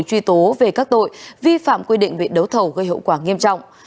truy tố về các tội vi phạm quy định về đấu thầu gây hậu quả nghiêm trọng